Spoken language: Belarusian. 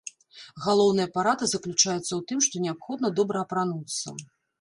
Галоўная парада заключаецца ў тым, што неабходна добра апрануцца.